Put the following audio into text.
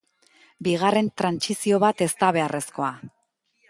Bigarren trantsizio bat ez da beharrezkoa.